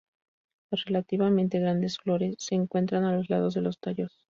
Las relativamente grandes flores se encuentran a los lados de los tallos.